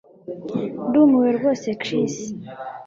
Ndumiwe rwose Chris